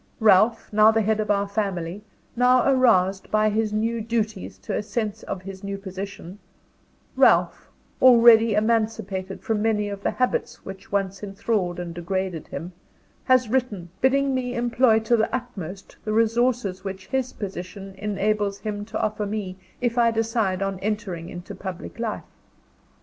Ralph now the head of our family; now aroused by his new duties to a sense of his new position Ralph, already emancipated from many of the habits which once enthralled and degraded him, has written, bidding me employ to the utmost the resources which his position enables him to offer me, if I decide on entering into public life.